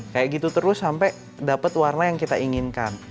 kayak gitu terus sampai dapet warna yang kita inginkan